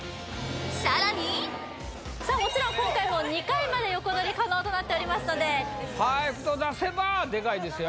さらにさあもちろん今回も２回まで横取り可能となっておりますのでパーフェクト出せばでかいですよ